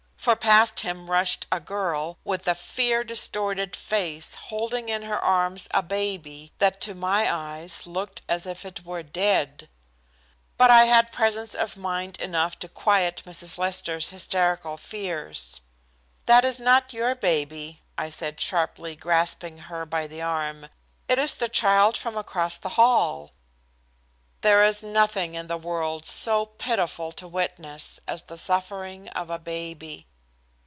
For past him rushed a girl with a fear distorted face holding in her arms a baby that to my eyes looked as if it were dead. But I had presence of mind enough to quiet Mrs. Lester's hysterical fears. "That is not your baby," I said sharply, grasping her by the arm. "It is the child from across the hall!" There is nothing in the world so pitiful to witness as the suffering of a baby.